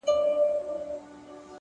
د کاغذ پرې کېدل تل یو ناڅاپي غږ لري,